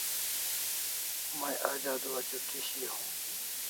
May aj adua chuti shiaw